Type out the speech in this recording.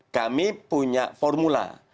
kami punya formula